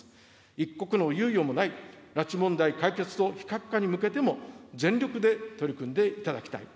一刻の猶予もない拉致問題解決と非核化に向けても、全力で取り組んでいただきたい。